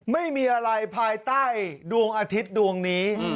ไม่มีอะไรภายใต้ดวงอาทิตย์ดวงนี้